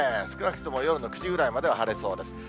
少なくとも夜の９時ぐらいまでは晴れそうです。